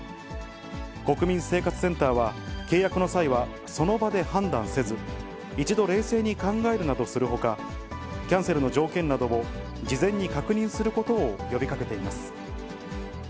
国民生活センターは、契約の際は、その場で判断せず、一度冷静に考えるなどするほか、キャンセルの条件などを事前に確認することを呼びかけています。